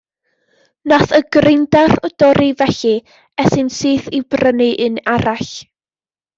Nath y greindar dorri felly es i'n syth i brynu un arall.